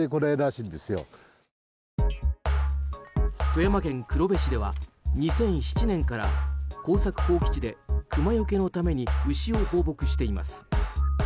富山県黒部市では２００７年から耕作放棄地でクマよけのために牛を放牧しています。